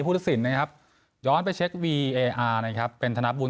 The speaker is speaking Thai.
พุทธศิลป์นะครับย้อนไปเช็ควีเออาร์นะครับเป็นธนบุญ